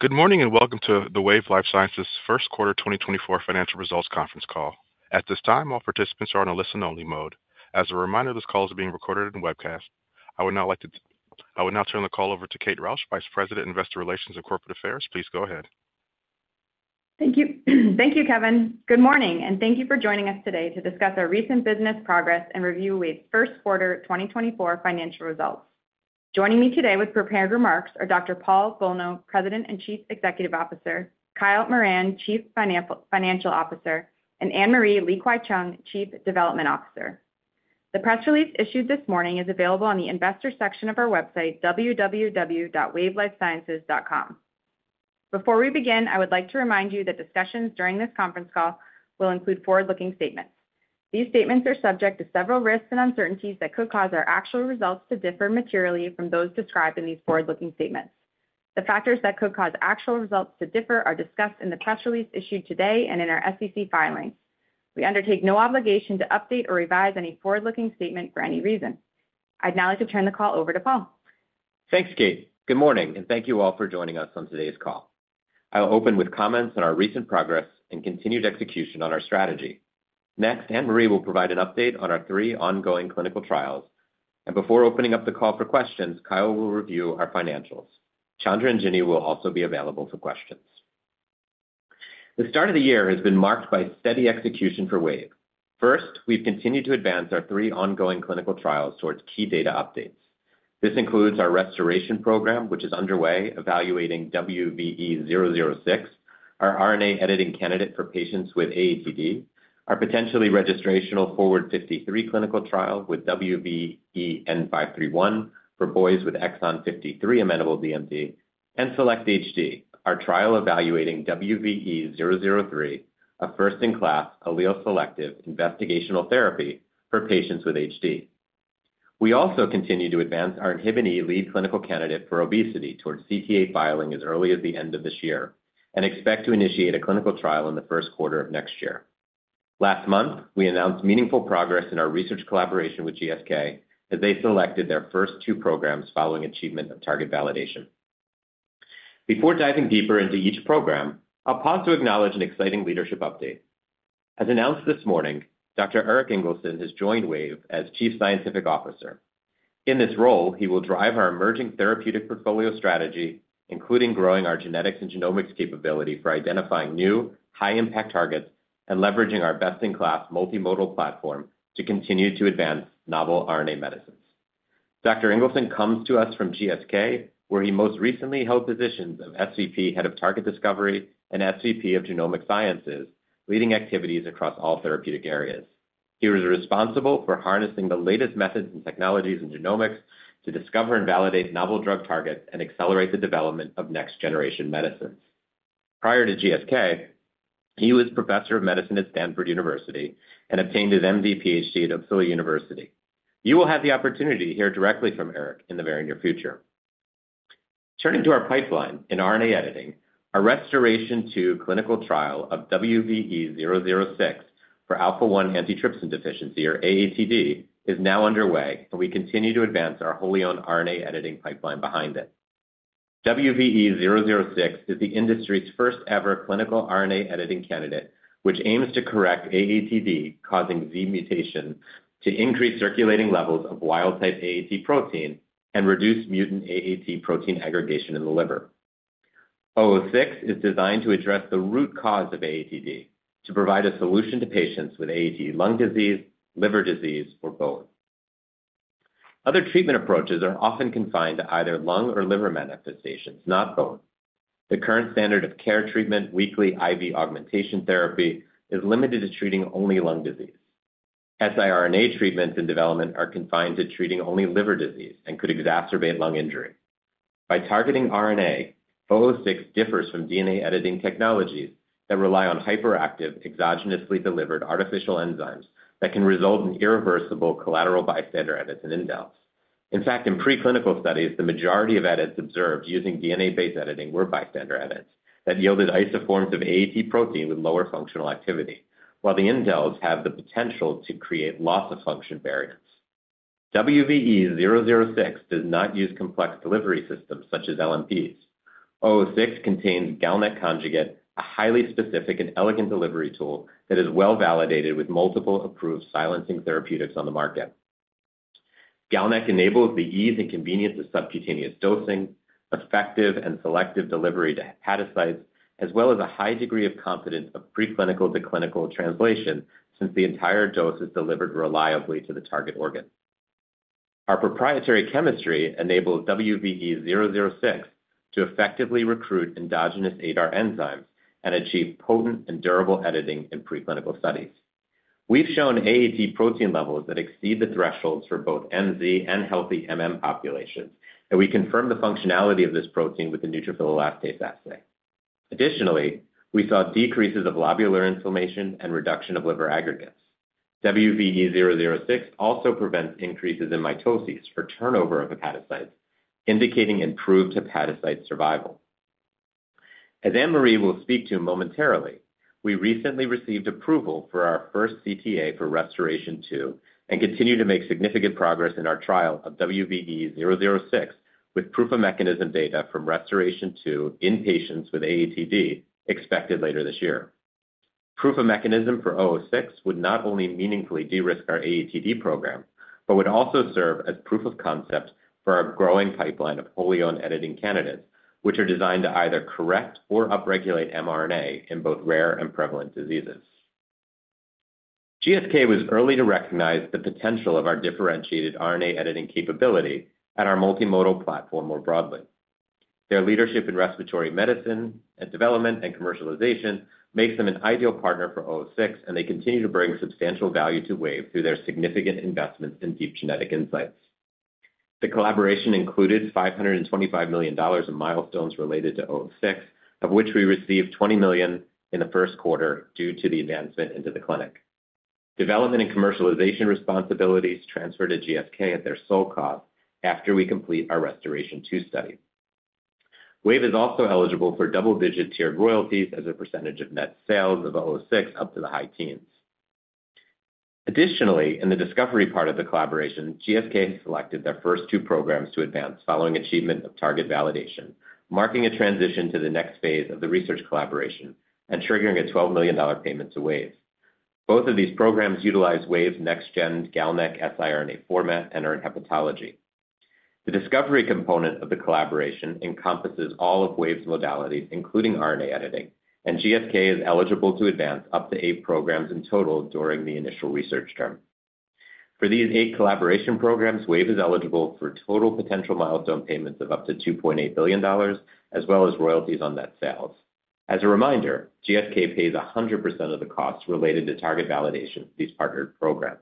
Good morning and welcome to the Wave Life Sciences First Quarter 2024 Financial Results Conference Call. At this time, all participants are on a listen-only mode. As a reminder, this call is being recorded and webcast. I would now turn the call over to Kate Rausch, Vice President, Investor Relations and Corporate Affairs. Please go ahead. Thank you. Thank you, Kevin. Good morning, and thank you for joining us today to discuss our recent business progress and review Wave's First Quarter 2024 Financial Results. Joining me today with prepared remarks are Dr. Paul Bolno, President and Chief Executive Officer, Kyle Moran, Chief Financial Officer, and Anne-Marie Li-Kwai-Cheung, Chief Development Officer. The press release issued this morning is available on the Investor section of our website, www.wavelifesciences.com. Before we begin, I would like to remind you that discussions during this conference call will include forward-looking statements. These statements are subject to several risks and uncertainties that could cause our actual results to differ materially from those described in these forward-looking statements. The factors that could cause actual results to differ are discussed in the press release issued today and in our SEC filings. We undertake no obligation to update or revise any forward-looking statement for any reason. I'd now like to turn the call over to Paul. Thanks, Kate. Good morning, and thank you all for joining us on today's call. I will open with comments on our recent progress and continued execution on our strategy. Next, Anne-Marie will provide an update on our three ongoing clinical trials. Before opening up the call for questions, Kyle will review our financials. Chandra and Ginny will also be available for questions. The start of the year has been marked by steady execution for Wave. First, we've continued to advance our three ongoing clinical trials towards key data updates. This includes our RestorAATion program, which is underway, evaluating WVE-006, our RNA editing candidate for patients with AATD, our potentially registrational FORWARD-53 clinical trial with WVE-N531 for boys with exon 53 amenable DMD, and SELECT-HD, our trial evaluating WVE-003, a first-in-class allele-selective investigational therapy for patients with HD. We also continue to advance our INHBE lead clinical candidate for obesity towards CTA filing as early as the end of this year and expect to initiate a clinical trial in the first quarter of next year. Last month, we announced meaningful progress in our research collaboration with GSK as they selected their first two programs following achievement of target validation. Before diving deeper into each program, I'll pause to acknowledge an exciting leadership update. As announced this morning, Dr. Erik Ingelsson has joined Wave as Chief Scientific Officer. In this role, he will drive our emerging therapeutic portfolio strategy, including growing our genetics and genomics capability for identifying new, high-impact targets and leveraging our best-in-class multimodal platform to continue to advance novel RNA medicines. Dr. Ingelsson comes to us from GSK, where he most recently held positions of SVP Head of Target Discovery and SVP of Genomic Sciences, leading activities across all therapeutic areas. He was responsible for harnessing the latest methods and technologies in genomics to discover and validate novel drug targets and accelerate the development of next-generation medicines. Prior to GSK, he was Professor of Medicine at Stanford University and obtained his MD/PhD at Uppsala University. You will have the opportunity to hear directly from Erik in the very near future. Turning to our pipeline in RNA editing, our RestorAATion-2 clinical trial of WVE-006 for alpha-1 antitrypsin deficiency, or AATD, is now underway, and we continue to advance our wholly-owned RNA editing pipeline behind it. WVE-006 is the industry's first-ever clinical RNA editing candidate, which aims to correct AATD-causing Z mutation to increase circulating levels of wild-type AAT protein and reduce mutant AAT protein aggregation in the liver. 006 is designed to address the root cause of AATD to provide a solution to patients with AAT lung disease, liver disease, or both. Other treatment approaches are often confined to either lung or liver manifestations, not both. The current standard of care treatment, weekly IV augmentation therapy, is limited to treating only lung disease. siRNA treatments in development are confined to treating only liver disease and could exacerbate lung injury. By targeting RNA, 006 differs from DNA editing technologies that rely on hyperactive, exogenously delivered artificial enzymes that can result in irreversible collateral bystander edits and indels. In fact, in preclinical studies, the majority of edits observed using DNA-based editing were bystander edits that yielded isoforms of AAT protein with lower functional activity, while the indels have the potential to create loss of function variants. WVE-006 does not use complex delivery systems such as LNPs. 006 contains GalNAc conjugate, a highly specific and elegant delivery tool that is well-validated with multiple approved silencing therapeutics on the market. GalNAc enables the ease and convenience of subcutaneous dosing, effective and selective delivery to hepatocytes, as well as a high degree of confidence of preclinical to clinical translation since the entire dose is delivered reliably to the target organ. Our proprietary chemistry enables WVE-006 to effectively recruit endogenous ADAR enzymes and achieve potent and durable editing in preclinical studies. We've shown AAT protein levels that exceed the thresholds for both MZ and healthy populations, and we confirmed the functionality of this protein with the neutrophil elastase assay. Additionally, we saw decreases of lobular inflammation and reduction of liver aggregates. WVE-006 also prevents increases in mitosis or turnover of hepatocytes, indicating improved hepatocyte survival. As Anne-Marie will speak to momentarily, we recently received approval for our first CTA for RestorAATion-2 and continue to make significant progress in our trial of WVE-006 with proof of mechanism data from RestorAATion-2 in patients with AATD expected later this year. Proof of mechanism for 006 would not only meaningfully de-risk our AATD program but would also serve as proof of concept for our growing pipeline of wholly-owned editing candidates, which are designed to either correct or upregulate mRNA in both rare and prevalent diseases. GSK was early to recognize the potential of our differentiated RNA editing capability at our multimodal platform more broadly. Their leadership in respiratory medicine, development, and commercialization makes them an ideal partner for 006, and they continue to bring substantial value to Wave through their significant investments in deep genetic insights. The collaboration included $525 million in milestones related to 006, of which we received $20 million in the first quarter due to the advancement into the clinic. Development and commercialization responsibilities transfer to GSK at their sole cost after we complete our RestorAATion-2 study. Wave is also eligible for double-digit tiered royalties as a percentage of net sales of 006 up to the high teens. Additionally, in the discovery part of the collaboration, GSK has selected their first two programs to advance following achievement of target validation, marking a transition to the next phase of the research collaboration and triggering a $12 million payment to Wave. Both of these programs utilize Wave's next-gen GalNAc siRNA format and target hepatology. The discovery component of the collaboration encompasses all of Wave's modalities, including RNA editing, and GSK is eligible to advance up to eight programs in total during the initial research term. For these eight collaboration programs, Wave is eligible for total potential milestone payments of up to $2.8 billion, as well as royalties on net sales. As a reminder, GSK pays 100% of the costs related to target validation for these partnered programs.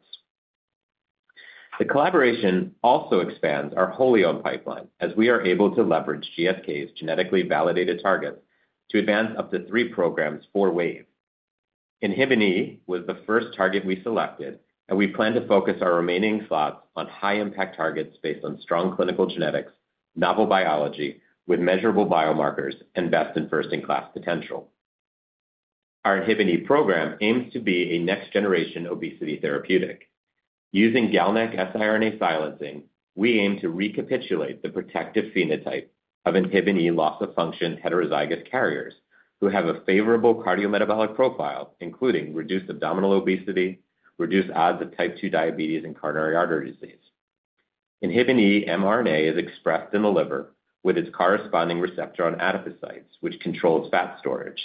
The collaboration also expands our wholly-owned pipeline as we are able to leverage GSK's genetically validated targets to advance up to three programs for Wave. Inhibin E was the first target we selected, and we plan to focus our remaining slots on high-impact targets based on strong clinical genetics, novel biology, with measurable biomarkers, and best-in-first-in-class potential. Our inhibin E program aims to be a next-generation obesity therapeutic. Using GalNAc siRNA silencing, we aim to recapitulate the protective phenotype of inhibin E loss of function heterozygous carriers who have a favorable cardiometabolic profile, including reduced abdominal obesity, reduced odds of type 2 diabetes, and coronary artery disease. Inhibin E mRNA is expressed in the liver with its corresponding receptor on adipocytes, which controls fat storage.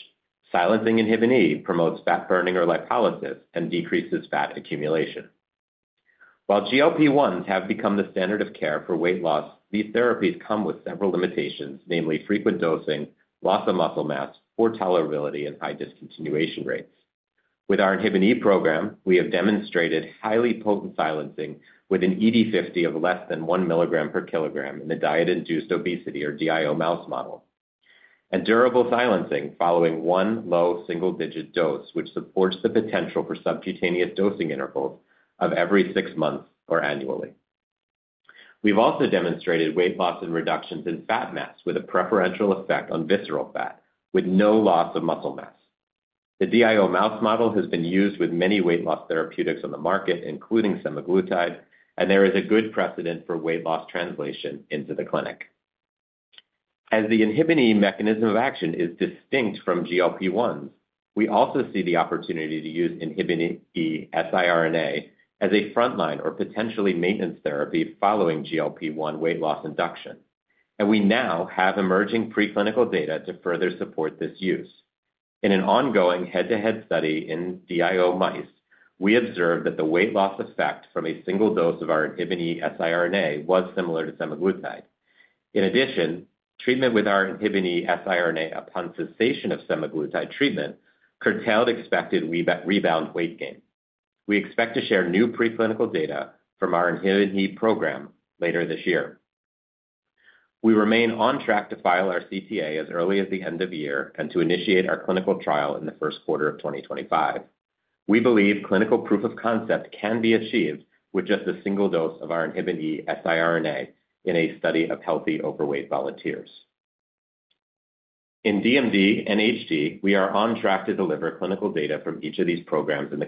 Silencing inhibin E promotes fat burning or lipolysis and decreases fat accumulation. While GLP-1s have become the standard of care for weight loss, these therapies come with several limitations, namely frequent dosing, loss of muscle mass, poor tolerability, and high discontinuation rates. With our Inhibin E program, we have demonstrated highly potent silencing with an ED50 of less than 1 milligram per kilogram in the diet-induced obesity, or DIO, mouse model and durable silencing following one low single-digit dose, which supports the potential for subcutaneous dosing intervals of every six months or annually. We've also demonstrated weight loss and reductions in fat mass with a preferential effect on visceral fat with no loss of muscle mass. The DIO mouse model has been used with many weight loss therapeutics on the market, including semaglutide, and there is a good precedent for weight loss translation into the clinic. As the Inhibin E mechanism of action is distinct from GLP-1s, we also see the opportunity to use Inhibin E siRNA as a frontline or potentially maintenance therapy following GLP-1 weight loss induction. We now have emerging preclinical data to further support this use. In an ongoing head-to-head study in DIO mice, we observed that the weight loss effect from a single dose of our Inhibin E siRNA was similar to semaglutide. In addition, treatment with our Inhibin E siRNA upon cessation of semaglutide treatment curtailed expected rebound weight gain. We expect to share new preclinical data from our Inhibin E program later this year. We remain on track to file our CTA as early as the end of year and to initiate our clinical trial in the first quarter of 2025. We believe clinical proof of concept can be achieved with just a single dose of our inhibin E siRNA in a study of healthy overweight volunteers. In DMD and HD, we are on track to deliver clinical data from each of these programs in the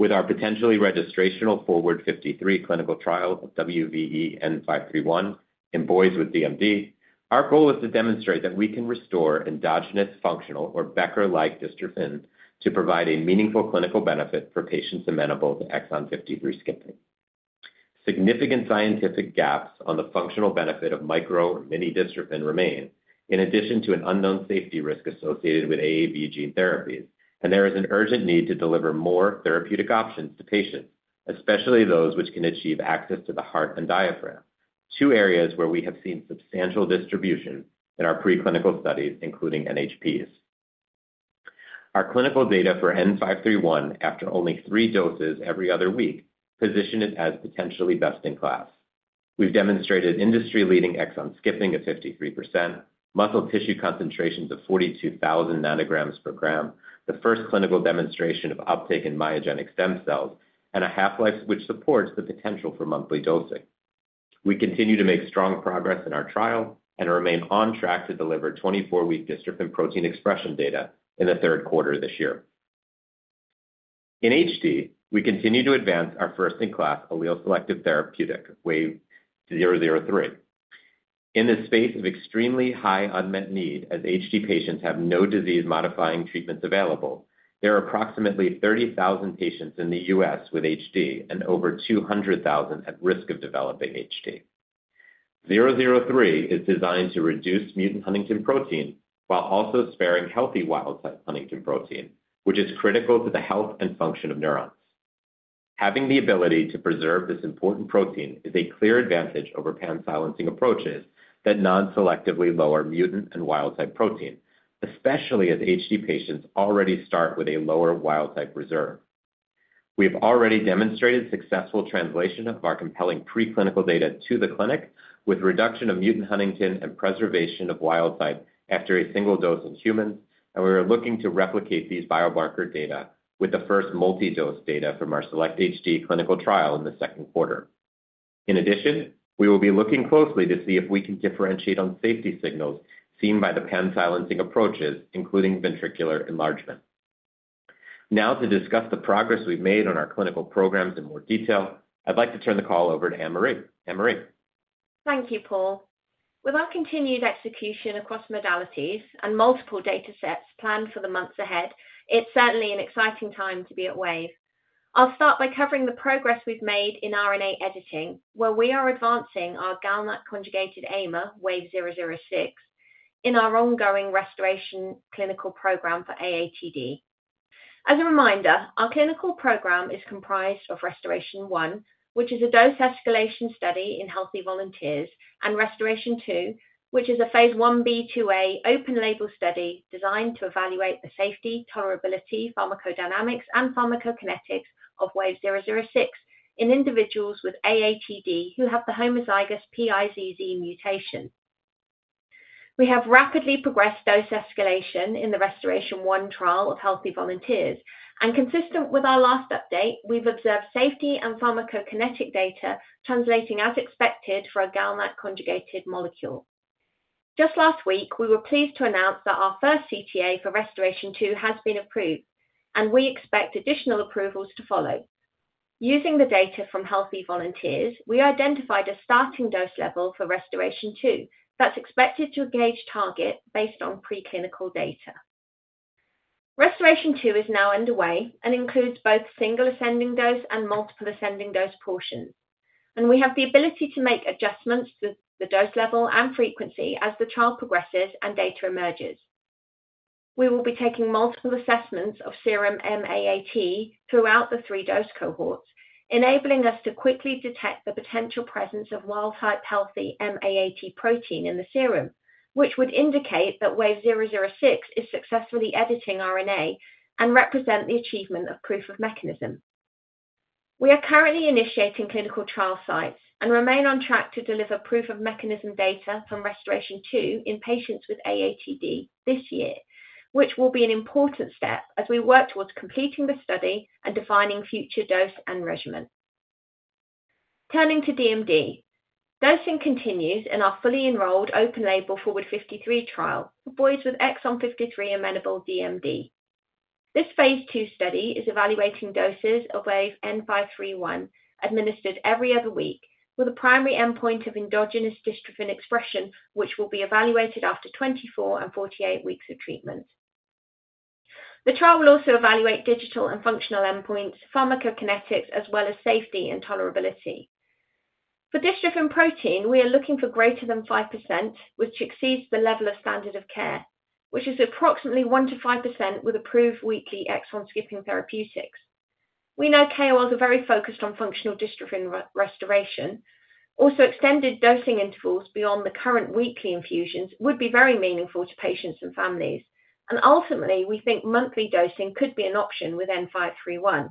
coming months. With our potentially registrational FORWARD-53 clinical trial of WVE-N531 in boys with DMD, our goal is to demonstrate that we can restore endogenous functional or Becker-like dystrophin to provide a meaningful clinical benefit for patients amenable to Exon 53 skipping. Significant scientific gaps on the functional benefit of micro or mini dystrophin remain, in addition to an unknown safety risk associated with AAV gene therapies. There is an urgent need to deliver more therapeutic options to patients, especially those which can achieve access to the heart and diaphragm, two areas where we have seen substantial distribution in our preclinical studies, including NHPs. Our clinical data for N531 after only 3 doses every other week position it as potentially best-in-class. We've demonstrated industry-leading exon 53 skipping of 53%, muscle tissue concentrations of 42,000 nanograms per gram, the first clinical demonstration of uptake in myogenic stem cells, and a half-life which supports the potential for monthly dosing. We continue to make strong progress in our trial and remain on track to deliver 24-week dystrophin protein expression data in the third quarter of this year. In HD, we continue to advance our first-in-class allele-selective therapeutic, WVE-003. In this space of extremely high unmet need, as HD patients have no disease-modifying treatments available, there are approximately 30,000 patients in the U.S. with HD and over 200,000 at risk of developing HD. WVE-003 is designed to reduce mutant Huntington protein while also sparing healthy wild-type Huntington protein, which is critical to the health and function of neurons. Having the ability to preserve this important protein is a clear advantage over pan-silencing approaches that non-selectively lower mutant and wild-type protein, especially as HD patients already start with a lower wild-type reserve. We have already demonstrated successful translation of our compelling preclinical data to the clinic with reduction of mutant Huntington and preservation of wild-type after a single dose in humans, and we are looking to replicate these biomarker data with the first multi-dose data from our SELECT-HD clinical trial in the second quarter. In addition, we will be looking closely to see if we can differentiate on safety signals seen by the pan-silencing approaches, including ventricular enlargement. Now, to discuss the progress we've made on our clinical programs in more detail, I'd like to turn the call over to Anne-Marie. Anne-Marie. Thank you, Paul. With our continued execution across modalities and multiple data sets planned for the months ahead, it's certainly an exciting time to be at Wave. I'll start by covering the progress we've made in RNA editing, where we are advancing our GalNAc-conjugated AIMer, WVE-006, in our ongoing RestorAATion clinical program for AATD. As a reminder, our clinical program is comprised of RestorAATion-1, which is a dose escalation study in healthy volunteers, and RestorAATion-2, which is a phase 1b/2a open-label study designed to evaluate the safety, tolerability, pharmacodynamics, and pharmacokinetics of WVE-006 in individuals with AATD who have the homozygous PiZZ mutation. We have rapidly progressed dose escalation in the RestorAATion-1 trial of healthy volunteers, and consistent with our last update, we've observed safety and pharmacokinetic data translating as expected for a GalNAc-conjugated molecule. Just last week, we were pleased to announce that our first CTA for RestorAATion-2 has been approved, and we expect additional approvals to follow. Using the data from healthy volunteers, we identified a starting dose level for RestorAATion-2 that's expected to engage target based on preclinical data. RestorAATion-2 is now underway and includes both single ascending dose and multiple ascending dose portions. We have the ability to make adjustments to the dose level and frequency as the trial progresses and data emerges. We will be taking multiple assessments of serum M-AAT throughout the three dose cohorts, enabling us to quickly detect the potential presence of wild-type healthy M-AAT protein in the serum, which would indicate that WVE-006 is successfully editing RNA and represent the achievement of proof of mechanism. We are currently initiating clinical trial sites and remain on track to deliver proof of mechanism data from RestorAATion-2 in patients with AATD this year, which will be an important step as we work towards completing the study and defining future dose and regimen. Turning to DMD, dosing continues in our fully-enrolled open-label FORWARD-53 trial for boys with Exon 53 amenable DMD. This phase II study is evaluating doses of WVE-N531 administered every other week with a primary endpoint of endogenous dystrophin expression, which will be evaluated after 24 and 48 weeks of treatment. The trial will also evaluate digital and functional endpoints, pharmacokinetics, as well as safety and tolerability. For dystrophin protein, we are looking for greater than 5%, which exceeds the level of standard of care, which is approximately 1%-5% with approved weekly exon skipping therapeutics. We know KOLs are very focused on functional dystrophin restoration. Also, extended dosing intervals beyond the current weekly infusions would be very meaningful to patients and families. And ultimately, we think monthly dosing could be an option with N531.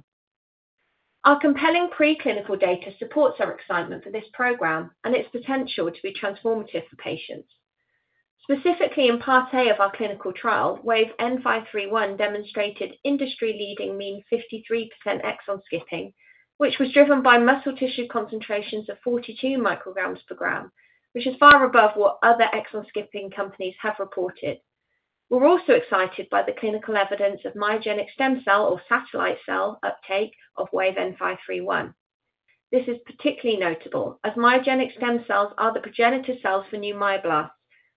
Our compelling preclinical data supports our excitement for this program and its potential to be transformative for patients. Specifically, in part A of our clinical trial, Wave N531 demonstrated industry-leading mean 53% exon skipping, which was driven by muscle tissue concentrations of 42 micrograms per gram, which is far above what other exon skipping companies have reported. We're also excited by the clinical evidence of myogenic stem cell or satellite cell uptake of Wave N531. This is particularly notable as myogenic stem cells are the progenitor cells for new myoblasts,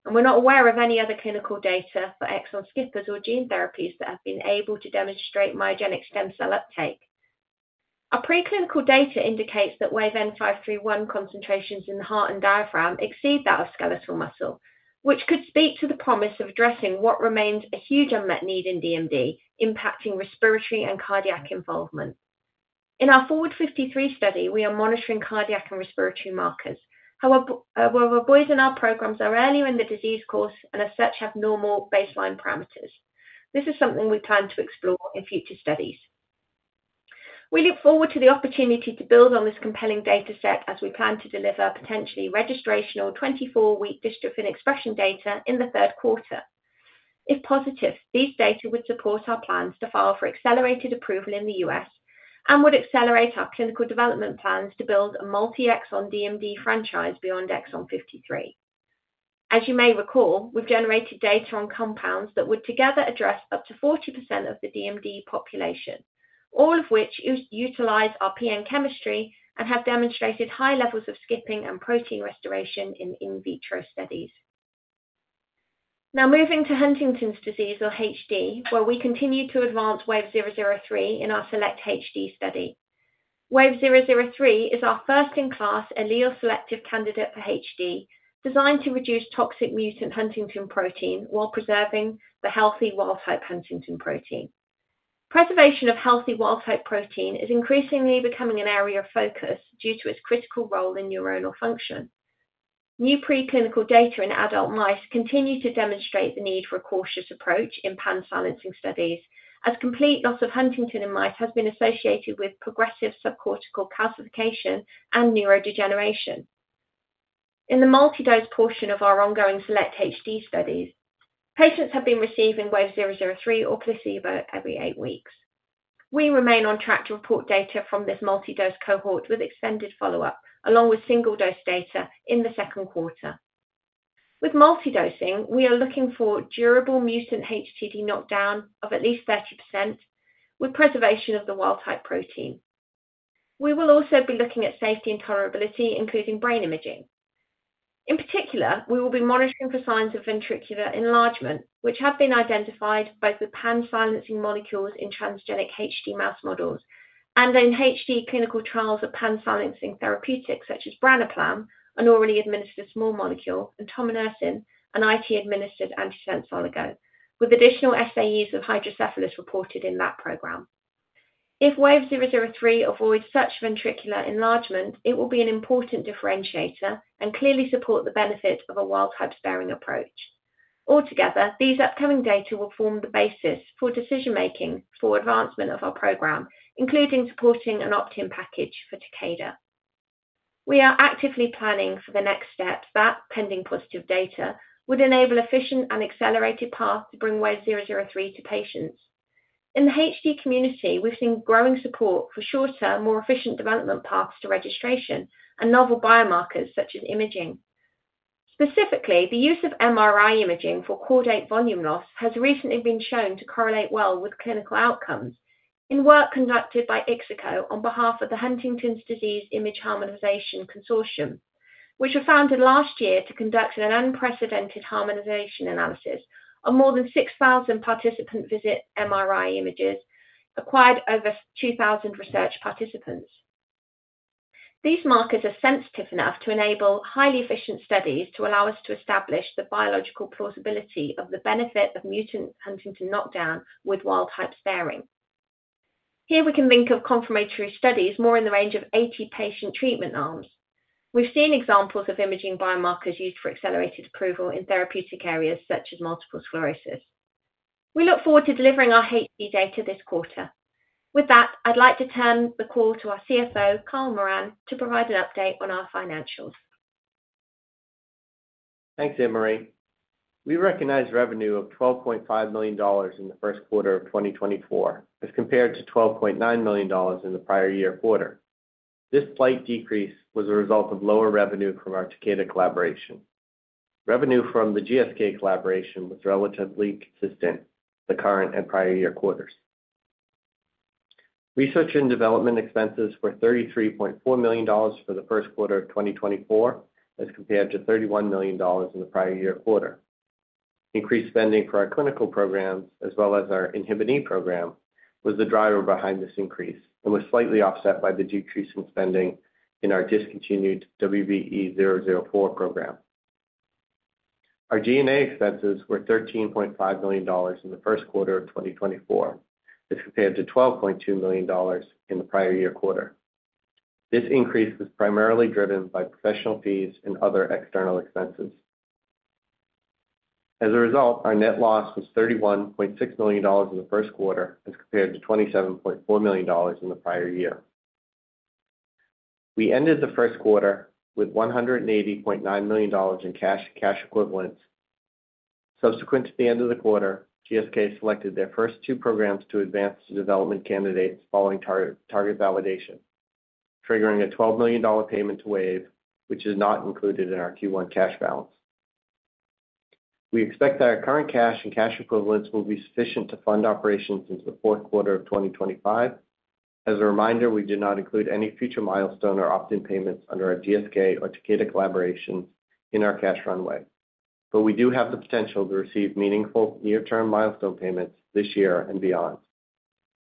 and we're not aware of any other clinical data for exon skippers or gene therapies that have been able to demonstrate myogenic stem cell uptake. Our preclinical data indicates that WVE-N531 concentrations in the heart and diaphragm exceed that of skeletal muscle, which could speak to the promise of addressing what remains a huge unmet need in DMD, impacting respiratory and cardiac involvement. In our FORWARD-53 study, we are monitoring cardiac and respiratory markers, whereas boys in our programs are earlier in the disease course and, as such, have normal baseline parameters. This is something we plan to explore in future studies. We look forward to the opportunity to build on this compelling data set as we plan to deliver potentially registrational 24-week dystrophin expression data in the third quarter. If positive, these data would support our plans to file for accelerated approval in the US and would accelerate our clinical development plans to build a multi-exon DMD franchise beyond exon 53. As you may recall, we've generated data on compounds that would together address up to 40% of the DMD population, all of which utilize our PN chemistry and have demonstrated high levels of skipping and protein restoration in in vitro studies. Now, moving to Huntington's disease, or HD, where we continue to advance WVE-003 in our SELECT-HD study. WVE-003 is our first-in-class allele-selective candidate for HD designed to reduce toxic mutant Huntington protein while preserving the healthy wild-type Huntington protein. Preservation of healthy wild-type protein is increasingly becoming an area of focus due to its critical role in neuronal function. New preclinical data in adult mice continue to demonstrate the need for a cautious approach in pan-silencing studies, as complete loss of huntingtin in mice has been associated with progressive subcortical calcification and neurodegeneration. In the multi-dose portion of our ongoing SELECT-HD studies, patients have been receiving WVE-003 or placebo every eight weeks. We remain on track to report data from this multi-dose cohort with extended follow-up, along with single-dose data in the second quarter. With multi-dosing, we are looking for durable mutant HTT knockdown of at least 30% with preservation of the wild-type protein. We will also be looking at safety and tolerability, including brain imaging. In particular, we will be monitoring for signs of ventricular enlargement, which have been identified both with pan-silencing molecules in transgenic HD mouse models and in HD clinical trials of pan-silencing therapeutics such as Branaplam, an orally administered small molecule, and Tomanersin, an IT-administered antisense oligo, with additional SAEs of hydrocephalus reported in that program. If WVE-003 avoids such ventricular enlargement, it will be an important differentiator and clearly support the benefit of a wild-type sparing approach. Altogether, these upcoming data will form the basis for decision-making for advancement of our program, including supporting an opt-in package for Takeda. We are actively planning for the next steps that, pending positive data, would enable efficient and accelerated paths to bring WVE-003 to patients. In the HD community, we've seen growing support for shorter, more efficient development paths to registration and novel biomarkers such as imaging. Specifically, the use of MRI imaging for caudate volume loss has recently been shown to correlate well with clinical outcomes in work conducted by IXICO on behalf of the Huntington's Disease Image Harmonization Consortium, which was founded last year to conduct an unprecedented harmonization analysis of more than 6,000 participant-visit MRI images acquired over 2,000 research participants. These markers are sensitive enough to enable highly efficient studies to allow us to establish the biological plausibility of the benefit of mutant Huntington knockdown with wild-type sparing. Here, we can think of confirmatory studies more in the range of 80 patient treatment arms. We've seen examples of imaging biomarkers used for accelerated approval in therapeutic areas such as multiple sclerosis. We look forward to delivering our HD data this quarter. With that, I'd like to turn the call to our CFO, Kyle Moran, to provide an update on our financials. Thanks, Anne-Marie. We recognize revenue of $12.5 million in the first quarter of 2024 as compared to $12.9 million in the prior year quarter. This slight decrease was a result of lower revenue from our Takeda collaboration. Revenue from the GSK collaboration was relatively consistent with the current and prior year quarters. Research and development expenses were $33.4 million for the first quarter of 2024 as compared to $31 million in the prior year quarter. Increased spending for our clinical programs, as well as our Inhibin E program, was the driver behind this increase and was slightly offset by the decrease in spending in our discontinued WVE-004 program. Our G&A expenses were $13.5 million in the first quarter of 2024 as compared to $12.2 million in the prior year quarter. This increase was primarily driven by professional fees and other external expenses. As a result, our net loss was $31.6 million in the first quarter as compared to $27.4 million in the prior year. We ended the first quarter with $180.9 million in cash equivalents. Subsequent to the end of the quarter, GSK selected their first two programs to advance to development candidates following target validation, triggering a $12 million payment to Wave, which is not included in our Q1 cash balance. We expect that our current cash and cash equivalents will be sufficient to fund operations into the fourth quarter of 2025. As a reminder, we did not include any future milestone or opt-in payments under our GSK or Takeda collaborations in our cash runway. But we do have the potential to receive meaningful near-term milestone payments this year and beyond.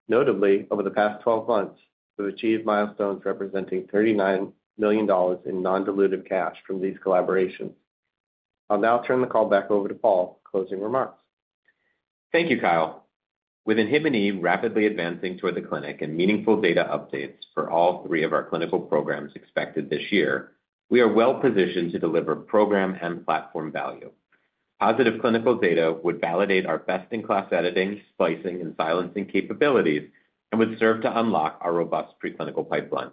Notably, over the past 12 months, we've achieved milestones representing $39 million in non-dilutive cash from these collaborations. I'll now turn the call back over to Paul for closing remarks. Thank you, Kyle. With inhibin E rapidly advancing toward the clinic and meaningful data updates for all three of our clinical programs expected this year, we are well positioned to deliver program and platform value. Positive clinical data would validate our best-in-class editing, splicing, and silencing capabilities and would serve to unlock our robust preclinical pipeline.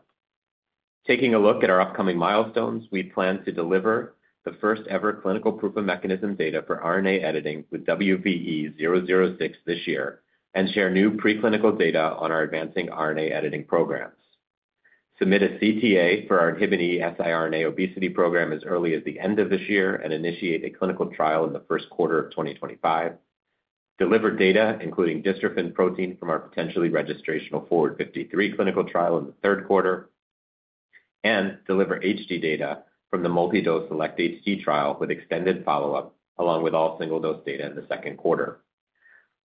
Taking a look at our upcoming milestones, we plan to deliver the first-ever clinical proof of mechanism data for RNA editing with WVE-006 this year and share new preclinical data on our advancing RNA editing programs. Submit a CTA for our inhibin E siRNA obesity program as early as the end of this year and initiate a clinical trial in the first quarter of 2025. Deliver data, including dystrophin protein, from our potentially registrational FORWARD-53 clinical trial in the third quarter. Deliver HD data from the multi-dose SELECT-HD trial with extended follow-up, along with all single-dose data in the second quarter.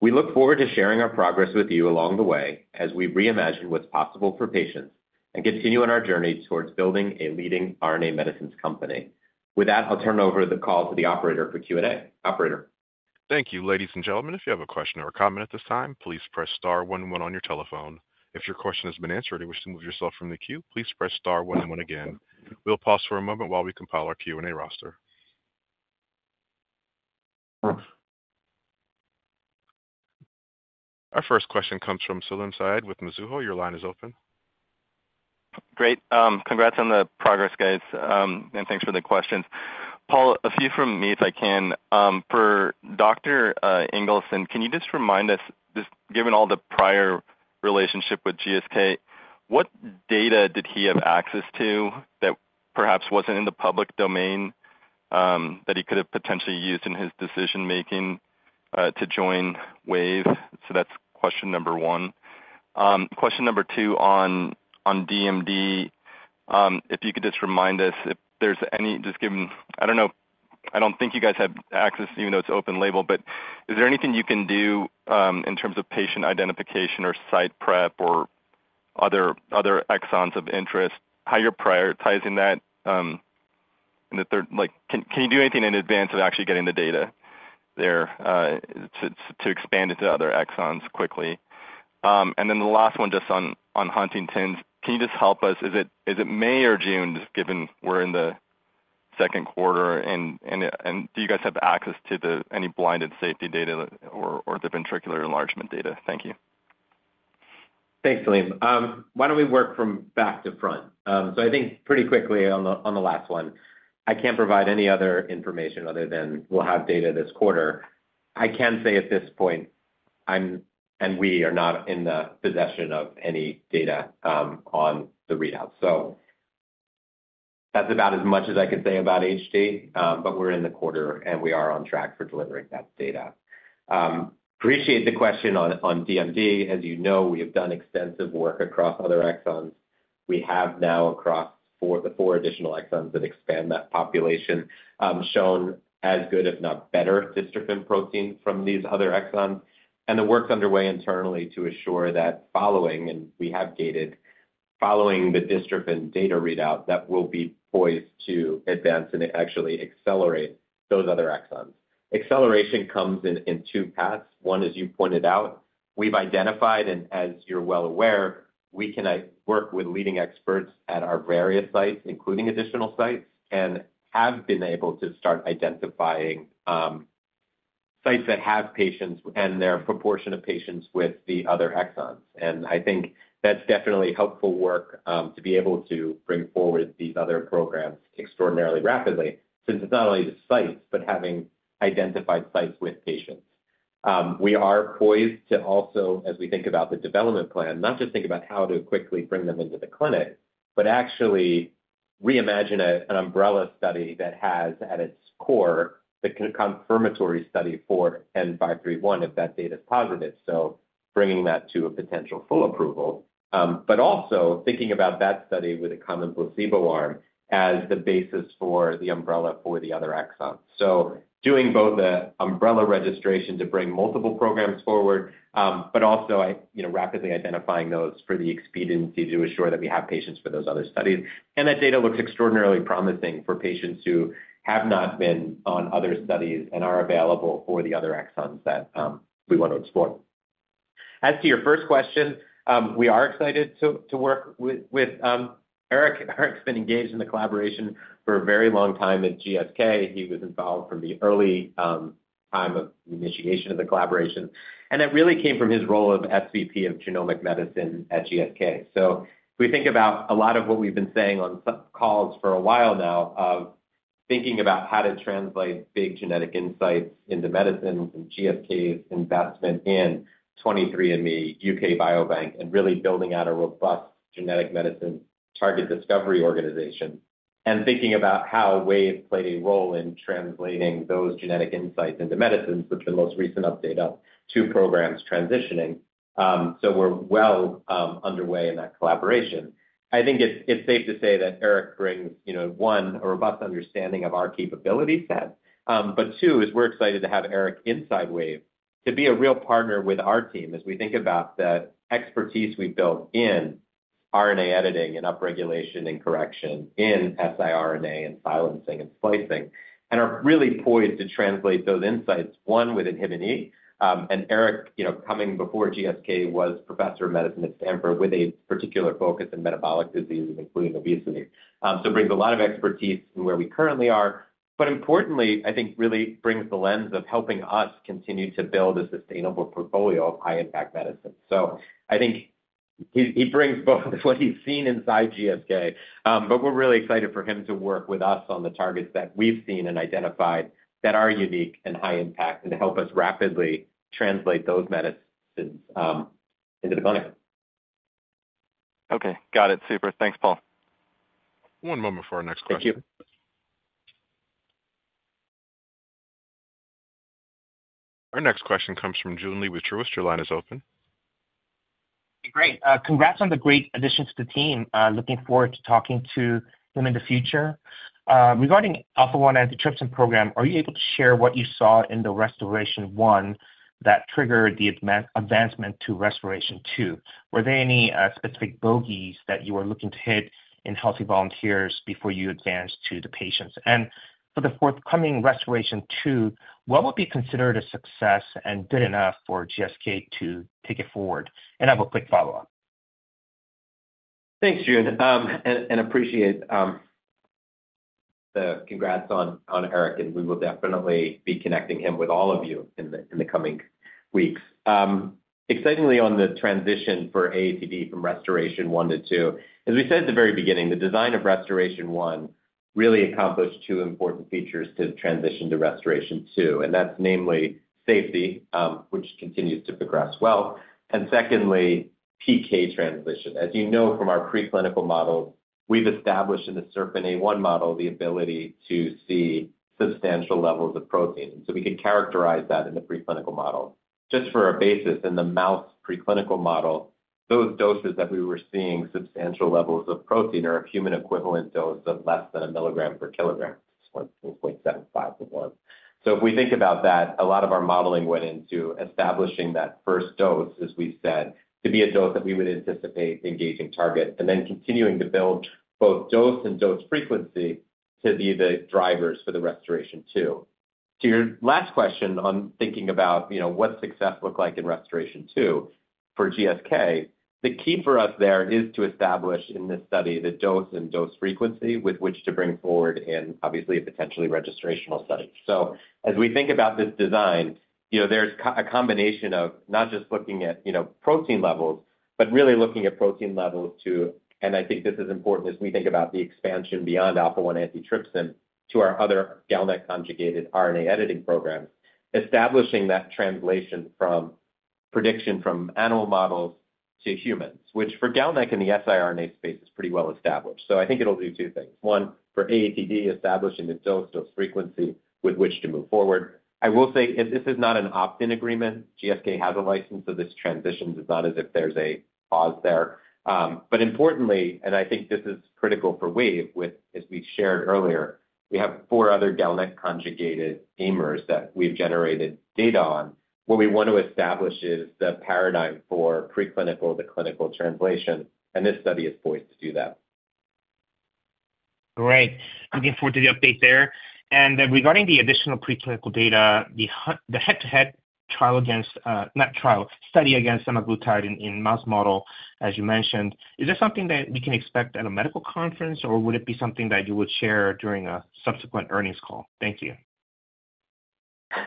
We look forward to sharing our progress with you along the way as we reimagine what's possible for patients and continue on our journey towards building a leading RNA medicines company. With that, I'll turn over the call to the operator for Q&A. Operator. Thank you. Ladies and gentlemen, if you have a question or a comment at this time, please press star 11 on your telephone. If your question has been answered and you wish to move yourself from the queue, please press star 11 again. We'll pause for a moment while we compile our Q&A roster. Our first question comes from Salim Syed with Mizuho. Your line is open. Great. Congrats on the progress, guys, and thanks for the questions. Paul, a few from me, if I can. For Dr. Ingelsson, can you just remind us, given all the prior relationship with GSK, what data did he have access to that perhaps wasn't in the public domain that he could have potentially used in his decision-making to join Wave? So that's question number one. Question number two on DMD, if you could just remind us if there's any just given I don't know. I don't think you guys have access, even though it's open-label, but is there anything you can do in terms of patient identification or site prep or other exons of interest? How you're prioritizing that in the third can you do anything in advance of actually getting the data there to expand it to other exons quickly? Then the last one, just on Huntington's, can you just help us? Is it May or June, just given we're in the second quarter? And do you guys have access to any blinded safety data or the ventricular enlargement data? Thank you. Thanks, Salim. Why don't we work from back to front? So I think pretty quickly on the last one, I can't provide any other information other than we'll have data this quarter. I can say at this point, I'm and we are not in the possession of any data on the readouts. So that's about as much as I can say about HD, but we're in the quarter and we are on track for delivering that data. Appreciate the question on DMD. As you know, we have done extensive work across other exons. We have now across the four additional exons that expand that population shown as good, if not better, dystrophin protein from these other exons. And the work's underway internally to assure that following and we have gated following the dystrophin data readout, that will be poised to advance and actually accelerate those other exons. Acceleration comes in two paths. One is, you pointed out, we've identified and as you're well aware, we can work with leading experts at our various sites, including additional sites, and have been able to start identifying sites that have patients and their proportion of patients with the other exons. And I think that's definitely helpful work to be able to bring forward these other programs extraordinarily rapidly since it's not only the sites but having identified sites with patients. We are poised to also, as we think about the development plan, not just think about how to quickly bring them into the clinic, but actually reimagine an umbrella study that has, at its core, the confirmatory study for N531 if that data is positive, so bringing that to a potential full approval. But also thinking about that study with a common placebo arm as the basis for the umbrella for the other exons. So doing both the umbrella registration to bring multiple programs forward, but also rapidly identifying those for the expediency to assure that we have patients for those other studies. And that data looks extraordinarily promising for patients who have not been on other studies and are available for the other exons that we want to explore. As to your first question, we are excited to work with Erik. Erik's been engaged in the collaboration for a very long time at GSK. He was involved from the early time of initiation of the collaboration. And that really came from his role of SVP of genomic medicine at GSK. So if we think about a lot of what we've been saying on calls for a while now of thinking about how to translate big genetic insights into medicines and GSK's investment in 23andMe, UK Biobank, and really building out a robust genetic medicine target discovery organization and thinking about how Wave played a role in translating those genetic insights into medicines with the most recent update up to programs transitioning. So we're well underway in that collaboration. I think it's safe to say that Erik brings, one, a robust understanding of our capability set. But two, is we're excited to have Erik inside Wave to be a real partner with our team as we think about the expertise we've built in RNA editing and upregulation and correction in siRNA and silencing and splicing and are really poised to translate those insights, one, with inhibinE. Erik, coming before GSK, was professor of medicine at Stanford with a particular focus in metabolic diseases, including obesity. So brings a lot of expertise in where we currently are. But importantly, I think really brings the lens of helping us continue to build a sustainable portfolio of high-impact medicine. So I think he brings both what he's seen inside GSK. But we're really excited for him to work with us on the targets that we've seen and identified that are unique and high-impact and to help us rapidly translate those medicines into the clinic. Okay. Got it. Super. Thanks, Paul. One moment for our next question. Thank you. Our next question comes from Joon Lee with Truist. Your line is open. Great. Congrats on the great addition to the team. Looking forward to talking to him in the future. Regarding Alpha-1 antitrypsin program, are you able to share what you saw in the RestorAATion-1 that triggered the advancement to RestorAATion-2? Were there any specific bogies that you were looking to hit in healthy volunteers before you advanced to the patients? And for the forthcoming RestorAATion-2, what would be considered a success and good enough for GSK to take it forward? And I have a quick follow-up. Thanks, Joon. I appreciate the congrats on Erik. We will definitely be connecting him with all of you in the coming weeks. Excitingly, on the transition for AATD from RestorAATion-1 to RestorAATion-2, as we said at the very beginning, the design of RestorAATion-1 really accomplished two important features to transition to RestorAATion-2. That's namely safety, which continues to progress well. And secondly, PK transition. As you know from our preclinical models, we've established in the SERPINA1 model the ability to see substantial levels of protein. And so we could characterize that in the preclinical model. Just for a basis, in the mouse preclinical model, those doses that we were seeing substantial levels of protein are a human-equivalent dose of less than 1 milligram per kilogram, 1.75 of one. So if we think about that, a lot of our modeling went into establishing that first dose, as we said, to be a dose that we would anticipate engaging target and then continuing to build both dose and dose frequency to be the drivers for the RestorAATion-2. To your last question on thinking about what success looked like in RestorAATion-2 for GSK, the key for us there is to establish in this study the dose and dose frequency with which to bring forward and obviously a potentially registrational study. So as we think about this design, there's a combination of not just looking at protein levels, but really looking at protein levels to and I think this is important as we think about the expansion beyond Alpha-1 antitrypsin to our other GalNAc-conjugated RNA editing programs, establishing that translation from prediction from animal models to humans, which for GalNAc in the siRNA space is pretty well established. So I think it'll do two things. One, for AATD, establishing the dose-dose frequency with which to move forward. I will say this is not an opt-in agreement. GSK has a license, so this transition is not as if there's a pause there. But importantly, and I think this is critical for Wave, as we shared earlier, we have four other GalNAc-conjugated AIMers that we've generated data on. What we want to establish is the paradigm for preclinical to clinical translation. This study is poised to do that. Great. Looking forward to the update there. Regarding the additional preclinical data, the head-to-head trial against not trial, study against Semaglutide in mouse model, as you mentioned, is that something that we can expect at a medical conference, or would it be something that you would share during a subsequent earnings call? Thank you.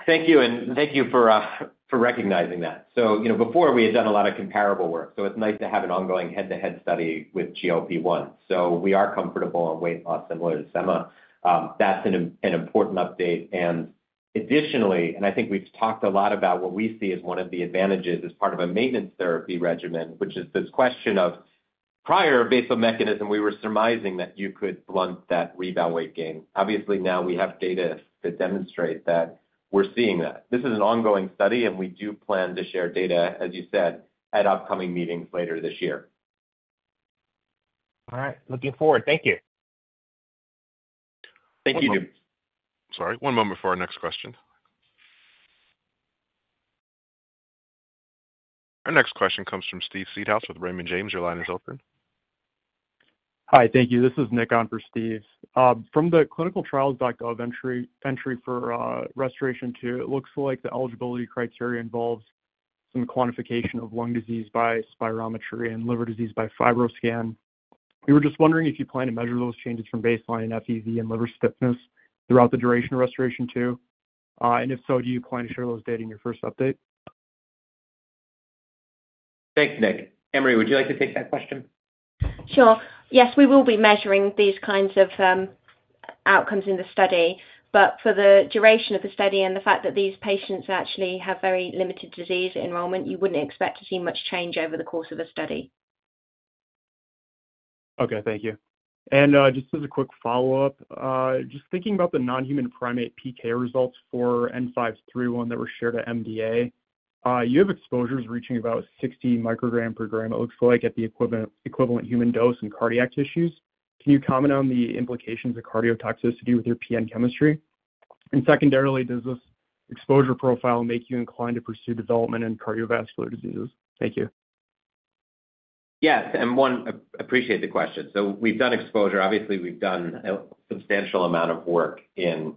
Thank you. And thank you for recognizing that. So before, we had done a lot of comparable work. So it's nice to have an ongoing head-to-head study with GLP-1. So we are comfortable on weight loss similar to Sema. That's an important update. And additionally, and I think we've talked a lot about what we see as one of the advantages as part of a maintenance therapy regimen, which is this question of prior basal mechanism, we were surmising that you could blunt that rebound weight gain. Obviously, now we have data to demonstrate that we're seeing that. This is an ongoing study, and we do plan to share data, as you said, at upcoming meetings later this year. All right. Looking forward. Thank you. Thank you, Joon. Sorry. One moment for our next question. Our next question comes from Steve Seedhouse with Raymond James. Your line is open. Hi. Thank you. This is Nick on for Steve. From the ClinicalTrials.gov entry for RestorAATion-2, it looks like the eligibility criteria involves some quantification of lung disease by spirometry and liver disease by FibroScan. We were just wondering if you plan to measure those changes from baseline in FEV and liver stiffness throughout the duration of RestorAATion-2. And if so, do you plan to share those data in your first update? Thanks, Nick. Anne-Marie, would you like to take that question? Sure. Yes, we will be measuring these kinds of outcomes in the study. But for the duration of the study and the fact that these patients actually have very limited disease enrollment, you wouldn't expect to see much change over the course of a study. Okay. Thank you. And just as a quick follow-up, just thinking about the non-human primate PK results for N531 that were shared to MDA, you have exposures reaching about 60 micrograms per gram, it looks like, at the equivalent human dose in cardiac tissues. Can you comment on the implications of cardiotoxicity with your PN chemistry? And secondarily, does this exposure profile make you inclined to pursue development in cardiovascular diseases? Thank you. Yes. I appreciate the question. So we've done exposure. Obviously, we've done a substantial amount of work in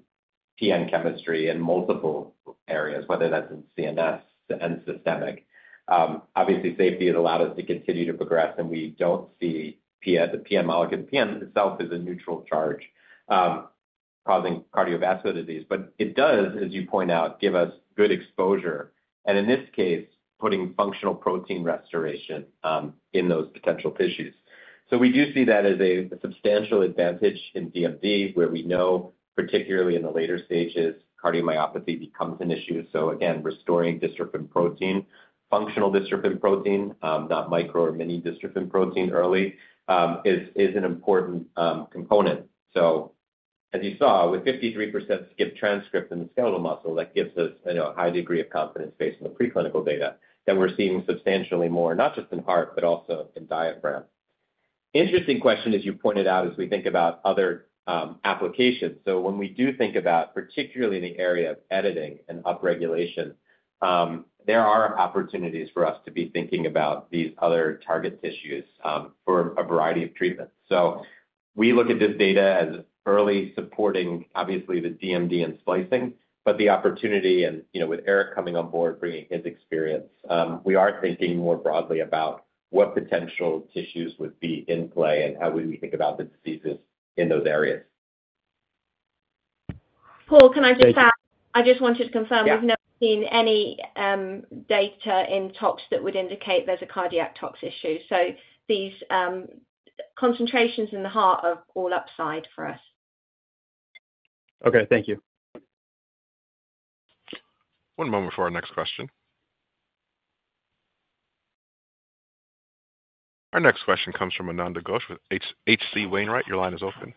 PN chemistry in multiple areas, whether that's in CNS and systemic. Obviously, safety has allowed us to continue to progress. We don't see the PN molecule itself as a neutral charge causing cardiovascular disease. But it does, as you point out, give us good exposure. And in this case, putting functional protein restoration in those potential tissues. So we do see that as a substantial advantage in DMD where we know, particularly in the later stages, cardiomyopathy becomes an issue. So again, restoring dystrophin protein, functional dystrophin protein, not micro or mini dystrophin protein early, is an important component. So as you saw, with 53% skipped transcript in the skeletal muscle, that gives us a high degree of confidence based on the preclinical data that we're seeing substantially more, not just in heart, but also in diaphragm. Interesting question, as you pointed out, as we think about other applications. So when we do think about particularly in the area of editing and upregulation, there are opportunities for us to be thinking about these other target tissues for a variety of treatments. So we look at this data as early supporting, obviously, the DMD and splicing. But the opportunity and with Eric coming on board, bringing his experience, we are thinking more broadly about what potential tissues would be in play and how would we think about the diseases in those areas. Paul, can I just add? Thank you. I just wanted to confirm. Thank you. We've never seen any data in tox that would indicate there's a cardiac tox issue. These concentrations in the heart are all upside for us. Okay. Thank you. One moment for our next question. Our next question comes from Ananda Ghosh with H.C. Wainwright. Your line is open.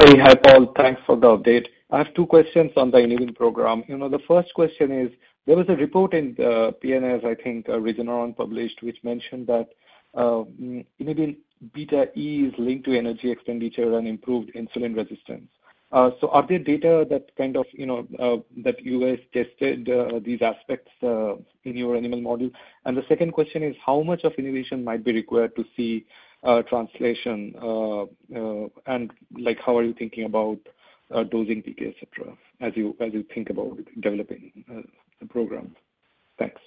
Hi, Paul. Thanks for the update. I have two questions on the inhibin program. The first question is, there was a report in the PNAS, I think, recently published, which mentioned that inhibin beta E is linked to energy expenditure and improved insulin resistance. So are there data that kind of you guys tested these aspects in your animal model? And the second question is, how much of inhibition might be required to see translation? And how are you thinking about dosing PK, etc., as you think about developing the program? Thanks.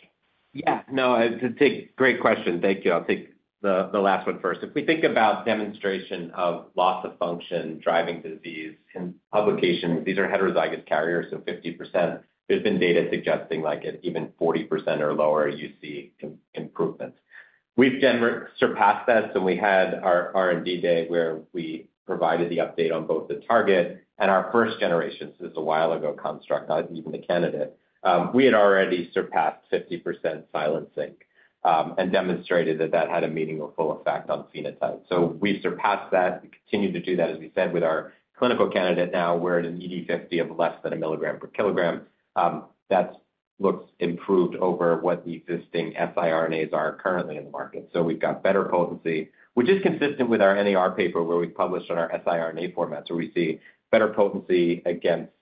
Yeah. No, it's a great question. Thank you. I'll take the last one first. If we think about demonstration of loss of function driving disease in publications, these are heterozygous carriers, so 50%. There's been data suggesting even 40% or lower, you see improvements. We've surpassed that. So we had our R&D day where we provided the update on both the target and our first generation, so this is a while ago, construct, not even the candidate. We had already surpassed 50% silencing and demonstrated that that had a meaningful full effect on phenotype. So we've surpassed that. We continue to do that, as we said, with our clinical candidate now. We're at an ED50 of less than a milligram per kilogram. That looks improved over what the existing siRNAs are currently in the market. So we've got better potency, which is consistent with our NER paper where we published on our siRNA formats, where we see better potency against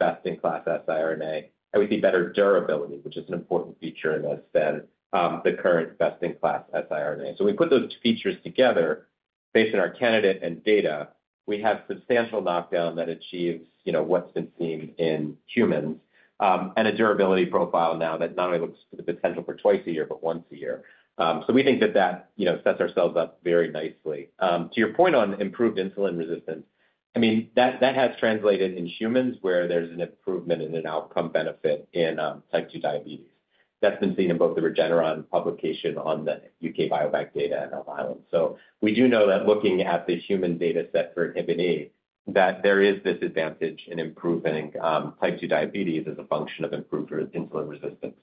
best-in-class siRNA. And we see better durability, which is an important feature in this than the current best-in-class siRNA. So we put those two features together. Based on our candidate and data, we have substantial knockdown that achieves what's been seen in humans and a durability profile now that not only looks for the potential for twice a year but once a year. So we think that that sets ourselves up very nicely. To your point on improved insulin resistance, I mean, that has translated in humans where there's an improvement in an outcome benefit in type 2 diabetes. That's been seen in both the Regeneron publication on the UK Biobank data and Eli Lilly. So we do know that looking at the human dataset for inhibin E, that there is this advantage in improving type 2 diabetes as a function of improved insulin resistance.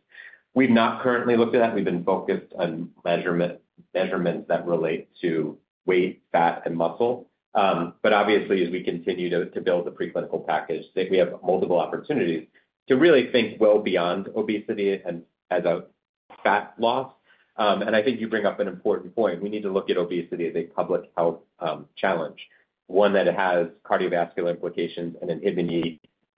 We've not currently looked at that. We've been focused on measurements that relate to weight, fat, and muscle. But obviously, as we continue to build the preclinical package, we have multiple opportunities to really think well beyond obesity as a fat loss. And I think you bring up an important point. We need to look at obesity as a public health challenge, one that has cardiovascular implications. And in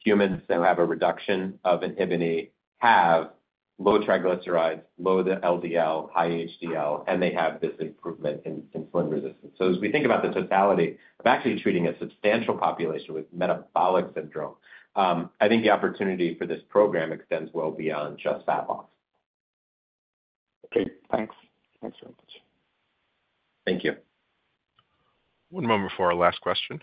humans who have a reduction of inhibin E have low triglycerides, low LDL, high HDL, and they have this improvement in insulin resistance. As we think about the totality of actually treating a substantial population with metabolic syndrome, I think the opportunity for this program extends well beyond just fat loss. Okay. Thanks. Thanks very much. Thank you. One moment for our last question.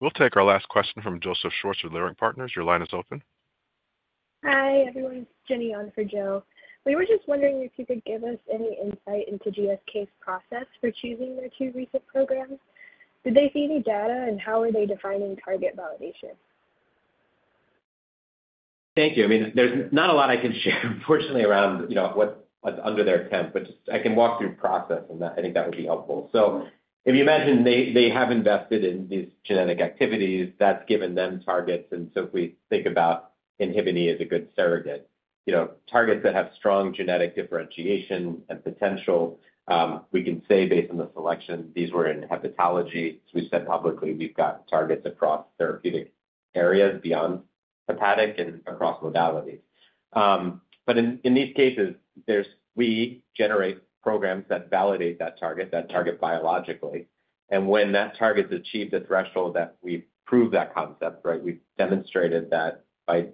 We'll take our last question from Joseph Schwartz with Leerink Partners. Your line is open. Hi, everyone. It's Jenny on for Joe. We were just wondering if you could give us any insight into GSK's process for choosing their two recent programs. Did they see any data, and how are they defining target validation? Thank you. I mean, there's not a lot I can share, unfortunately, around what's under their tent. But I can walk through process, and I think that would be helpful. So if you imagine they have invested in these genetic activities, that's given them targets. So if we think about inhibin E as a good surrogate, targets that have strong genetic differentiation and potential, we can say based on the selection, these were in hepatology. As we've said publicly, we've got targets across therapeutic areas beyond hepatic and across modalities. But in these cases, we generate programs that validate that target, that target biologically. When that target's achieved a threshold that we've proved that concept, right, we've demonstrated that by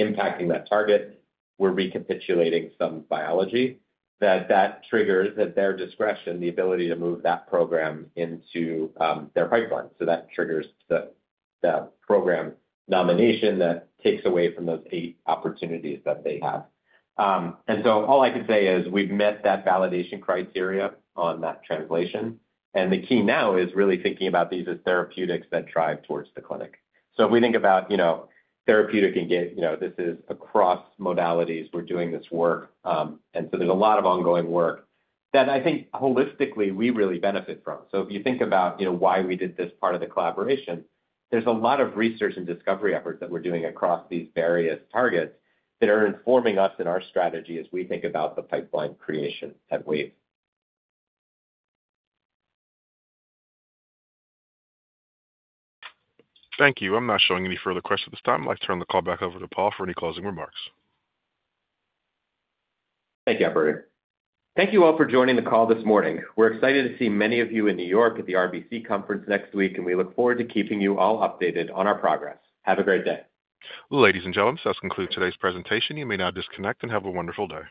impacting that target, we're recapitulating some biology, that that triggers at their discretion the ability to move that program into their pipeline. So that triggers the program nomination that takes away from those 8 opportunities that they have. And so all I can say is we've met that validation criteria on that translation. And the key now is really thinking about these as therapeutics that drive towards the clinic. So if we think about therapeutic and this is across modalities, we're doing this work. And so there's a lot of ongoing work that I think holistically, we really benefit from. So if you think about why we did this part of the collaboration, there's a lot of research and discovery efforts that we're doing across these various targets that are informing us in our strategy as we think about the pipeline creation at Wave. Thank you. I'm not showing any further questions at this time. I'd like to turn the call back over to Paul for any closing remarks. Thank you, Emery. Thank you all for joining the call this morning. We're excited to see many of you in New York at the RBC conference next week, and we look forward to keeping you all updated on our progress. Have a great day. Ladies and gentlemen, that concludes today's presentation. You may now disconnect and have a wonderful day.